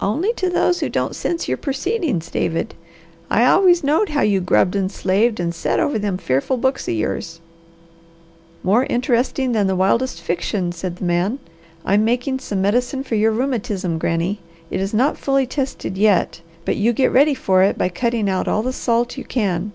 "Only to those who don't sense your purceedings, David. I always knowed how you grubbed and slaved an' set over them fearful books o' yours." "More interesting than the wildest fiction," said the man. "I'm making some medicine for your rheumatism, Granny. It is not fully tested yet, but you get ready for it by cutting out all the salt you can.